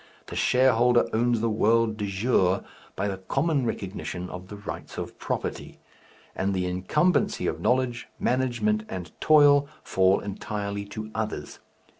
The shareholder owns the world de jure, by the common recognition of the rights of property; and the incumbency of knowledge, management, and toil fall entirely to others.